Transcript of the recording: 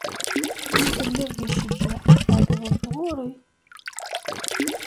Mi telliḍ di ccedda, tɛeyyḍeḍ-d ɣur-i.